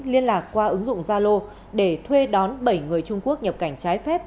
liên lạc qua ứng dụng zalo để thuê đón bảy người trung quốc nhập cảnh trái phép